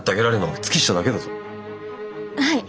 はい！